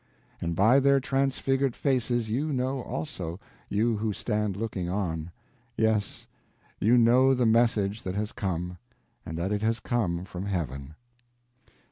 and by their transfigured faces you know also, you who stand looking on; yes, you know the message that has come, and that it has come from heaven.